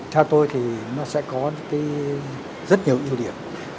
theo tôi thì nó sẽ có rất nhiều ưu điểm